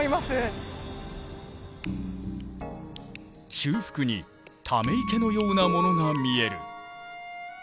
修復にため池のようなものが見える。